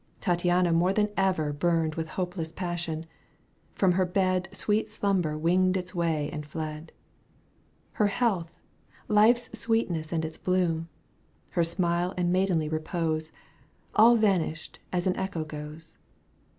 Tattiana more than ever burned With hopeless passion : from her bed Sweet slumber winged its way and fled. 1 Her health, life's sweetness and its bloom, Her smile and maidenly repose, All vanished as an echo goes.